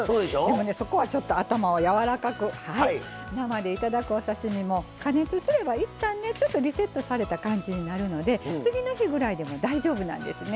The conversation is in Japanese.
そこは、ちょっと頭をやわらかく生でいただくお刺身も加熱すれば、いったんちょっとリセットされた感じになるので次の日ぐらいでも大丈夫なんですね。